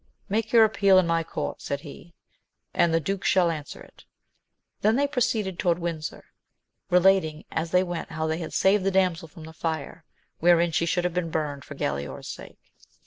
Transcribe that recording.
Make your appeal in my court, said he, and the duke shall answer it. They then proceeded toward Windsor, relating as they went how they had saved the damsel from the fire, wherein she should have been burnt for Galaor's sake.